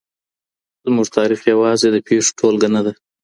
زموږ تاریخ یوازې د پېښو ټولګه نه ده.